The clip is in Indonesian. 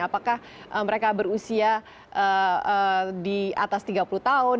apakah mereka berusia di atas tiga puluh tahun